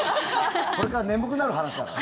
これから眠くなる話だから。